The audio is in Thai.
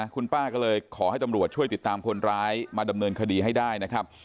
คุณป้าก็เลยขอให้ตำรวจช่วยติดตามคนร้ายมาดำเนินคดีให้ได้นะครับ